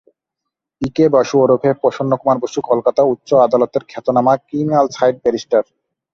P K Basu ওরফে প্রসন্নকুমার বসু, কলকাতা উচ্চ আদালতের খ্যাতনামা ক্রিমিনাল সাইড ব্যারিস্টার।